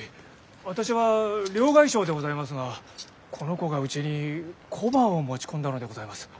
私は両替商でございますがこの子がうちに小判を持ち込んだのでございます。